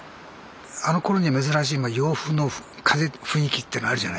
あのころには珍しいまあ洋風の雰囲気っていうのあるじゃないですか。